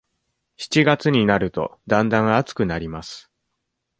七月になると、だんだん暑くなります。